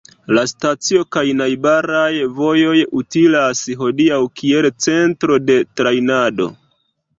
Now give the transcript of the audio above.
La stacio kaj najbaraj vojoj utilas hodiaŭ kiel centro de trejnado.